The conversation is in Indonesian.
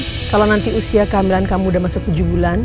kalau nanti usia kehamilan kamu udah masuk tujuh bulan